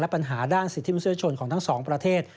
และปัญหาด้านสิทธิมุจิสัชนของทั้ง๒ประเทศ